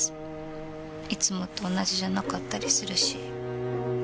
いつもと同じじゃなかったりするし。